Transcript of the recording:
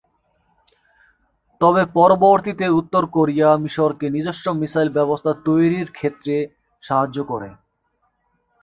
তবে পরবর্তীতে উত্তর কোরিয়া মিশরকে নিজস্ব মিসাইল ব্যবস্থা তৈরির ক্ষেত্রে সাহায্য করে।